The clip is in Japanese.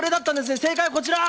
正解はこちら！